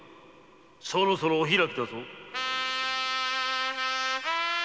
そろそろお開きだぞ。